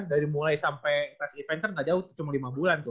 dari mulai sampai tes event kan gak jauh cuma lima bulan tuh